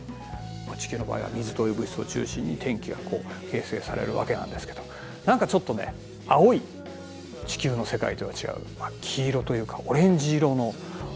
地球の場合は水という物質を中心に天気がこう形成されるわけなんですけど何かちょっとね青い地球の世界とは違う黄色というかオレンジ色の天気の世界